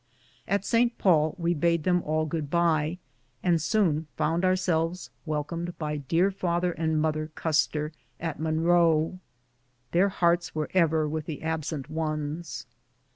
At St. Paul we bade them all good bye, and soon found ourselves welcomed by dear father and mother Custer, at Monroe. Their hearts were ever with the absent ones.